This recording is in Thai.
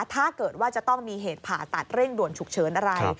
ถ้าเกิดว่าจะต้องมีเหตุผ่าตัดเร่งด่วนฉุกเฉินอะไร